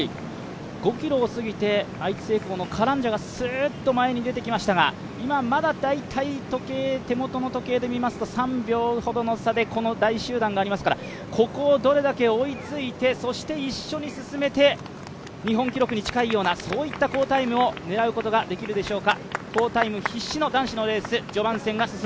５ｋｍを過ぎて、愛知製鋼のカランジャがスーッと前に出てきましたが、今まだ手元の時計で見ますと３秒ほどの差でこの大集団がありますからここをどれだけ追いついてそして一緒に進めて日本記録に近いようなそういった好タイムを狙うことができるでしょうか。